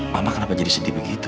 mama kenapa jadi sedih begitu